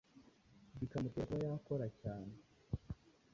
bikamutera kuba yakora cyane